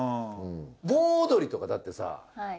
盆踊りとかだってさ